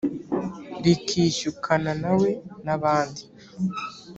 rikishyukana na we. nabandi